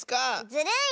ずるい！